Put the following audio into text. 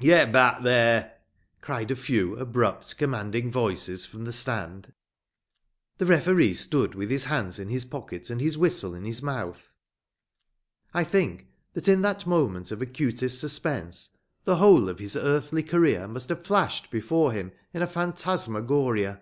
"Get back there!" cried a few abrupt, commanding voices from the stand. The referee stood with his hands in his pockets and his whistle in his mouth. I think that in that moment of acutest suspense the whole of his earthly career must have flashed before him in a phantasmagoria.